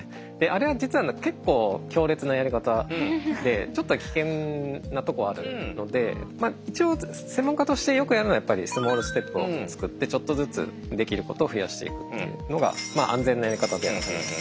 あれは実は結構強烈なやり方でちょっと危険なとこあるのでまあ一応専門家としてよくやるのはやっぱりスモールステップを作ってちょっとずつできることを増やしていくっていうのが安全なやり方ではあります。